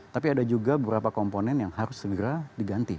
tapi ada juga beberapa komponen yang harus segera diganti